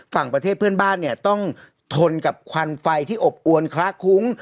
ประเทศเพื่อนบ้านเนี่ยต้องทนกับควันไฟที่อบอวนคละคุ้ง